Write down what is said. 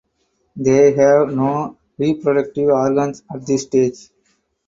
They have no reproductive organs at this stage.